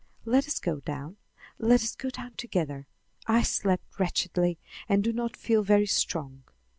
"Let us go down. Let us go down together. I slept wretchedly and do not feel very strong.